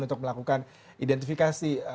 untuk melakukan identifikasi